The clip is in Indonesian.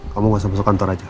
kamu gak usah masuk kantor aja